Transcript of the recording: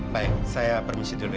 baik saya permisi duduk ya